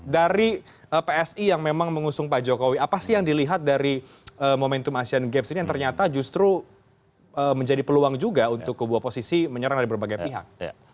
dari psi yang memang mengusung pak jokowi apa sih yang dilihat dari momentum asian games ini yang ternyata justru menjadi peluang juga untuk kubu oposisi menyerang dari berbagai pihak